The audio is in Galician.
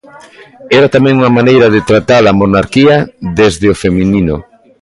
Era tamén unha maneira de tratar a monarquía desde o feminino.